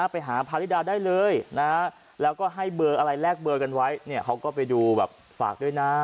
ไปหาภาริดาได้เลยแล้วก็ให้แรกเบอร์กันไว้เขาก็ไปดูฝากด้วยนะ